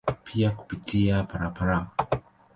Pia kupitia barabara.